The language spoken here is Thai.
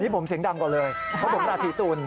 นี่ผมเสียงดำกว่าเลยเพราะผมราศรีตุล